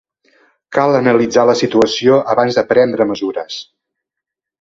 Cal analitzar la situació abans de prendre mesures.